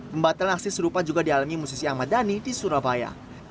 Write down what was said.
pembatalan aksi serupa juga dialami musisi ahmad dhani di surabaya